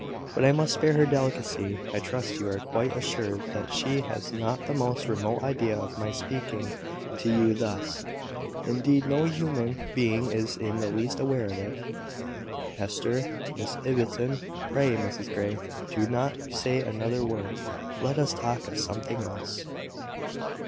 But I must spare her delicacy. I trust you are quite assured that she has not the most remote idea of my speaking to you thus. Indeed, no human being is in the least aware of it." "Hester! Miss Ibbotson! Pray, Mrs Grey, do not say another word. Let us talk of something else."